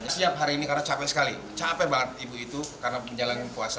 siap hari ini karena capek sekali capek banget ibu itu karena menjalankan puasa